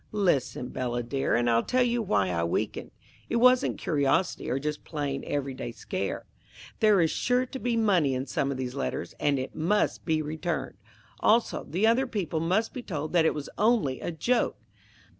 Listen, Bella, dear, and I'll tell you why I weakened. It wasn't curiosity, or just plain, every day scare. There is sure to be money in some of these letters, and it must be returned. Also, the other people must be told that it was only a joke."